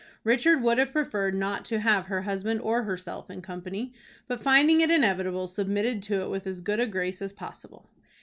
Richard would have preferred not to have her husband or herself in the company, but, finding it inevitable, submitted to it with as good a grace as possible.